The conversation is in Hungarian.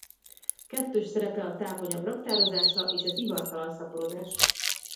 Kettős szerepe a tápanyag raktározása és az ivartalan szaporodás.